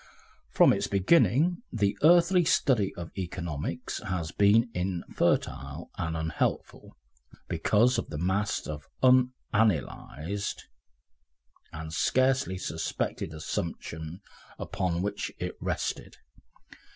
From its beginning the earthly study of economics has been infertile and unhelpful, because of the mass of unanalysed and scarcely suspected assumptions upon which it rested.